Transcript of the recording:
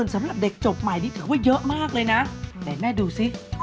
สามหมื่นเลยล่ะลูก